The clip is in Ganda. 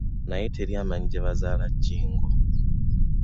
Naye teri amanyi gye bazaala Jjingo.